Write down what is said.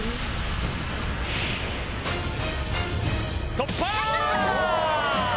突破！